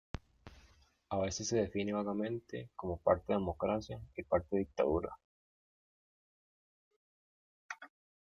A veces se define vagamente como parte democracia y parte dictadura.